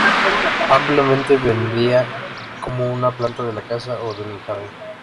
Ampliamente vendida como una planta de la casa o el jardín.